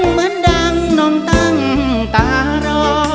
เหมือนดังนมตั้งตารอ